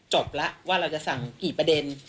จบแล้วว่าเราจะสั่งกี่ประเด็น